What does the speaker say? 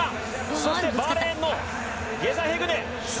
そしてバーレーンのゲザヘグネ。